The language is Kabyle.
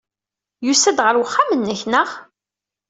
Yusa-d ɣer uxxam-nnek, naɣ?